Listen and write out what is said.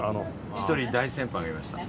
一人大先輩がいました。